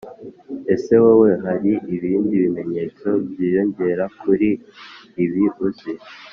ese wowe hari ibindi bimenyetso byiyogera kuri ibi uzi